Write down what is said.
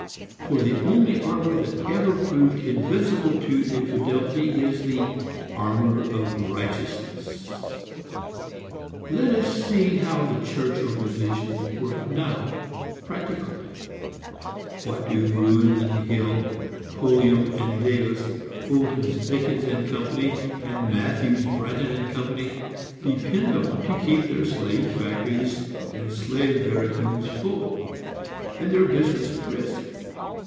for the only armor that ever proved invincible to infidelity is the armor of righteousness. Let us see how the church organizations work now, practically. What do Bruin & Hill, Pulliam & Davis, Bolton, Dickins & Co., and Matthews, Branton & Co., depend upon to keep their slave factories and slave barracoons full, and their business brisk?